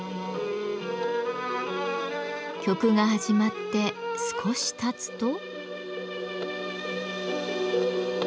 曲が始まって少したつと？